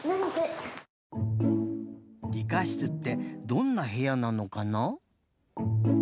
理科室ってどんなへやなのかな？